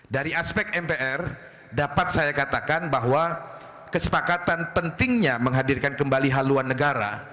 dari aspek mpr dapat saya katakan bahwa kesepakatan pentingnya menghadirkan kembali haluan negara